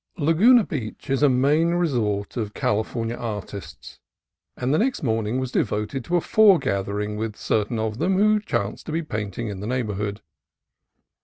Laguna Beach is a main resort of California ar tists, and the next morning was devoted to a foregathering with certain of them who chanced to be painting in the neighborhood.